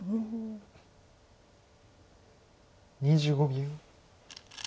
２５秒。